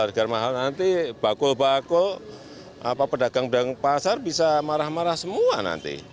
harga mahal nanti bakul bakul pedagang pedagang pasar bisa marah marah semua nanti